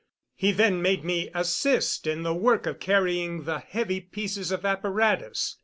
He then made me assist in the work of carrying the heavy pieces of apparatus.